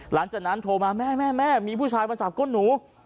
หลังจากนั้นโทรมาแม่แม่มีผู้ชายมาจับก้นหนู